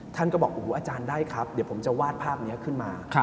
ท่านก็บอกโอ้โหอาจารย์ได้ครับเดี๋ยวผมจะวาดภาพนี้ขึ้นมา